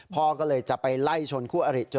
พ่อก็เลยจะไปไล่ชนคู่อริจน